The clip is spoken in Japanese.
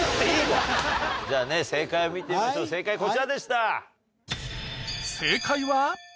じゃあね正解を見てみましょう正解こちらでした。